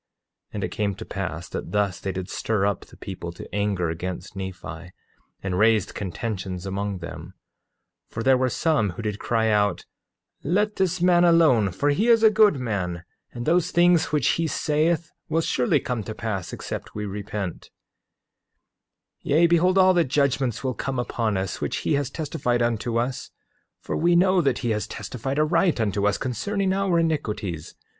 8:7 And it came to pass that thus they did stir up the people to anger against Nephi, and raised contentions among them; for there were some who did cry out: Let this man alone, for he is a good man, and those things which he saith will surely come to pass except we repent; 8:8 Yea, behold, all the judgments will come upon us which he has testified unto us; for we know that he has testified aright unto us concerning our iniquities.